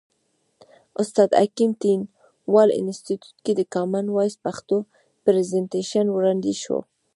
استاد حکیم تڼیوال انستیتیوت کې د کامن وایس پښتو پرزنټیشن وړاندې شو.